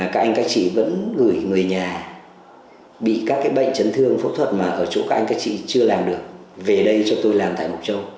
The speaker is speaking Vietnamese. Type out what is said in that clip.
các anh các chị vẫn gửi người nhà bị các bệnh chấn thương phẫu thuật mà ở chỗ các anh các chị chưa làm được về đây cho tôi làm tại mộc châu